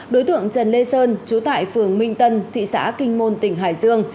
đối tượng trần lê sơn trú tại phường minh tân thị xã kinh môn tỉnh hải dương